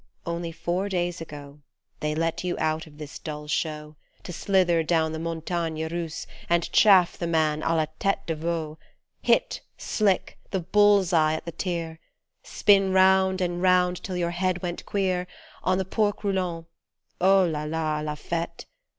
Only four days ago They let you out of this dull show To slither down the montagne russe and chaff the man a la tete de veau Hit, slick, the bull's eye at the tir, Spin round and round till your head went queer On theporcs roulants. Oh I la la ! la fete